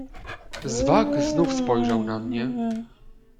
"Zwak znów spojrzał na mnie."